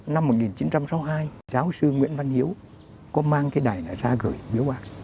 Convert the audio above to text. năm một nghìn chín trăm sáu mươi hai giáo sư nguyễn văn hiếu có mang cái đài này ra gửi biếu ai